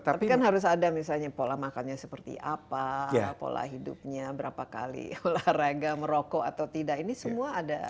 tapi kan harus ada misalnya pola makannya seperti apa pola hidupnya berapa kali olahraga merokok atau tidak ini semua ada